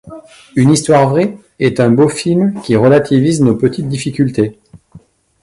Une histoire vraie et un beau film qui relativise nos petites difficultés.